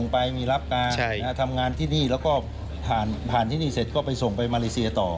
ไปมีรับการทำงานที่นี่แล้วก็ผ่านที่นี่เสร็จก็ไปส่งไปมาเลเซียต่อ